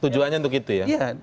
tujuannya untuk itu ya